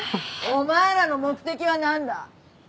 お前らの目的はなんだ？